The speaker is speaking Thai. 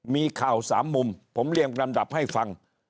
มีข่าวสามมุมผมเรียงลำดับให้ฟัง